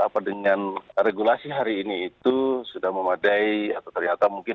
apa dengan regulasi hari ini itu sudah memadai atau ternyata mungkin